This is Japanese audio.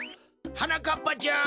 はなかっぱちゃん